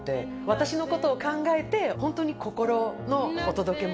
私のことを考えて本当に心のお届け物。